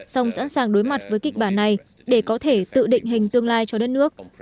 song sẵn sàng đối mặt với kịch bản này để có thể tự định hình tương lai cho đất nước